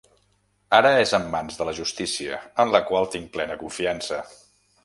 Ara és en mans de la justícia, en la qual tinc plena confiança.